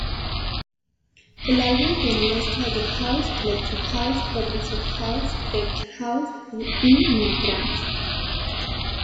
El álbum tiene mezclas de House, Electro House, Progressive house, Tech House y Neo-trance.